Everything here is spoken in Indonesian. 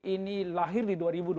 ini lahir di dua ribu dua puluh